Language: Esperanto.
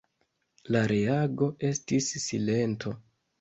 La reago estis silento.